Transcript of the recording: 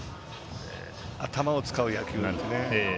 頭を使う野球なんでね。